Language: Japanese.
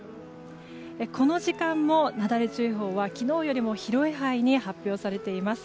この時間も、なだれ注意報は昨日よりも広い範囲に発表されています。